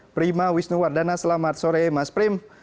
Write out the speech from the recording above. prima wisnuwardana selamat sore mas prim